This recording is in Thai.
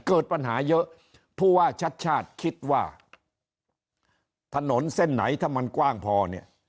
เกิดปัญหาเยอะผู้ว่าชัดชาติคิดว่าถนนเส้นไหนถ้ามันกว้างพอเนี่ย